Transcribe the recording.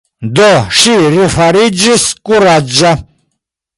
Do ŝi refariĝis kuraĝa.